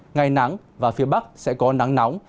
ngày nắng và phía bắc sẽ có nắng nóng